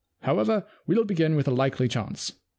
However, we'll begin with a likely chance.